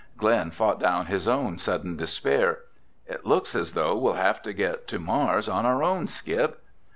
Glen fought down his own sudden despair. "It looks as though we'll have to get to Mars on our own, Skip."